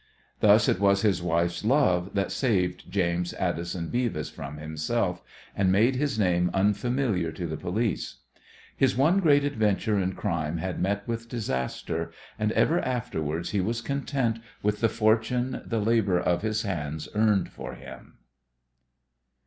Thus it was his wife's love that saved James Addison Beavis from himself, and made his name unfamiliar to the police. His one great adventure in crime had met with disaster, and ever afterwards he was content with the fortune the labour of his hands earned for him.